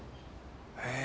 へえ。